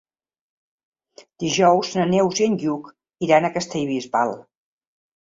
Dijous na Neus i en Lluc iran a Castellbisbal.